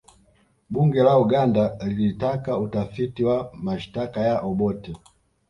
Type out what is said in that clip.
bunge la uganda lilitaka utafiti wa mashtaka ya obote